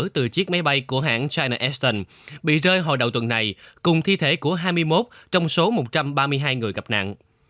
từ chiếc máy bay của hãng china eston bị rơi hồi đầu tuần này cùng thi thể của hai mươi một trong số một trăm ba mươi hai người gặp nạn